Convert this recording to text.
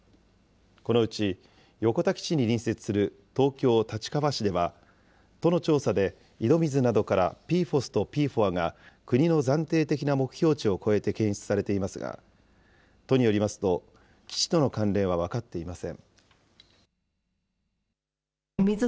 このうち、横田基地に隣接する東京・立川市では、都の調査で井戸水などからＰＦＯＳとＰＦＯＡが国の暫定的な目標値を超えて検出されていますが、都によりますと、基地との関連は分かっていません。